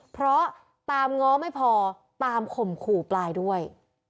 เพราะตามง้อไม่พอตามข่มขู่ปลายด้วย